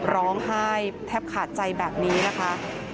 ร้องไห้แทบขาดใจแบบนี้นะคะ